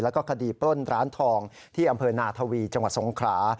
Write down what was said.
แล้วก็คดีปล้นร้านทองที่อำเภอนาทวีจังหวัดสงขรา